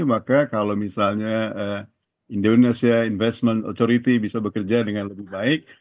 maka kalau misalnya indonesia investment authority bisa bekerja dengan lebih baik